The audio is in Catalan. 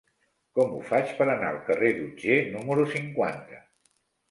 Com ho faig per anar al carrer d'Otger número cinquanta?